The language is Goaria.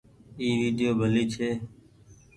اي ويڊيو ڀلي ڇي۔